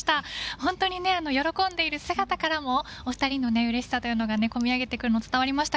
本当に喜んでいる姿からもお二人のうれしさというのが込み上げてくるのが伝わりました。